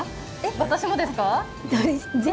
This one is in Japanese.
私もですか？